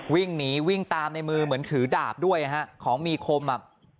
วิ่งหนีวิ่งตามในมือเหมือนถือดาบด้วยนะฮะของมีคมอ่ะ